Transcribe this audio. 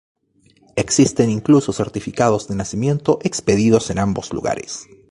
Existen incluso certificados de nacimiento expedidos en ambos lugares.